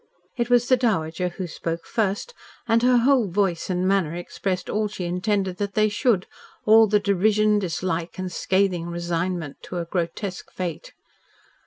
It was the Dowager who spoke first, and her whole voice and manner expressed all she intended that they should, all the derision, dislike and scathing resignment to a grotesque fate.